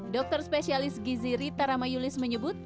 dokter spesialis gizi rita ramayulis menyebut